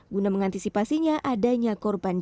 guna mengantisipasinya adanya korban jiwa